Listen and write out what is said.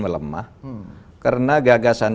melemah karena gagasan